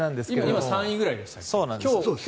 今３位くらいでしたよね。